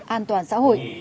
an toàn xã hội